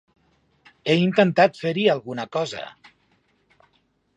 He intentat fer-hi alguna cosa.